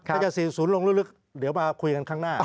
ถ้าจะ๔๐ลงลึกเดี๋ยวมาคุยกันข้างหน้า